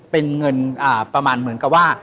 เป็นเงินประมาณเหมือนกับว่า